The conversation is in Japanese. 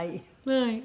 はい。